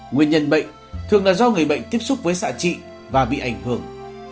nguyên nhân bệnh thường là do người bệnh tiếp xúc với xạ trị và bị ảnh hưởng